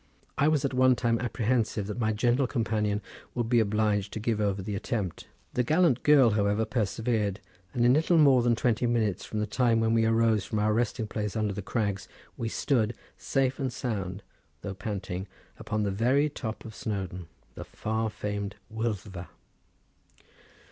I was at one time apprehensive that my gentle companion would be obliged to give over the attempt; the gallant girl, however, persevered, and in little more than twenty minutes from the time when we arose from our resting place under the crags, we stood, safe and sound, though panting, upon the very top of Snowdon—the far famed Wyddfa.